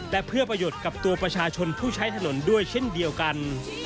และเพื่อประโยชน์กับตัวประชาชนผู้ใช้ถนนด้วยเช่นเดียวกัน